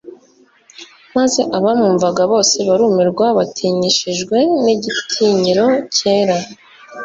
maze abamwumvaga bose barumirwa batinyishijwe n'igitinyiro cyera.